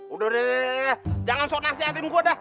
udah jangan sok nasihatin gue dah